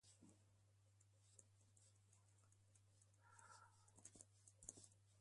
The majority of the station's programming is produced and broadcast from Ipswich.